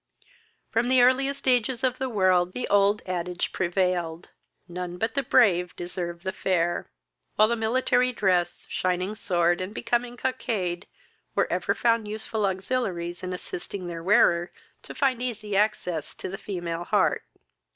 From the earliest ages of the world, the old adage prevailed, "None but the brave deserve the fair," while the military dress, shining sword, and becoming cockade, were ever found useful auxiliaries in assisting their wearer to find easy access to the female heart.